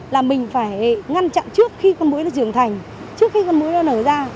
là mình phải ngăn chặn trước khi con mũi nó trưởng thành trước khi con mũi nó nở ra